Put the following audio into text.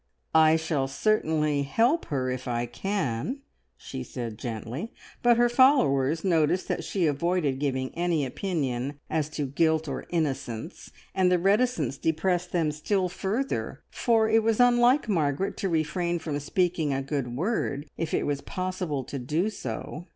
"I shall certainly help her if I can," she said gently; but her followers noticed that she avoided giving any opinion as to guilt or innocence, and the reticence depressed them still further, for it was unlike Margaret to refrain from speaking a good word if it was possible to do so.